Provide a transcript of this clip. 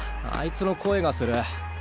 あいつの声がする。